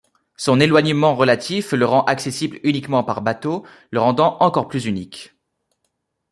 Son éloignement relatif le rend accessible uniquement par bateau, le rendant encore plus unique.